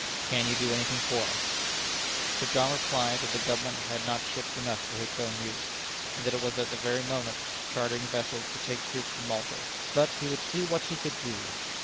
Can you do anything for us?" Sir John replied that the Government had not ships enough for its own use; that it was at that very moment chartering vessels to take troops to Malta "but he would see what he could do."